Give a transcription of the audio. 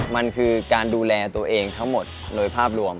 มันคือการดูแลตัวเองทั้งหมดโดยภาพรวม